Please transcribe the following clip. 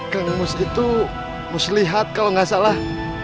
kang mus itu muslihat kalau nggak salah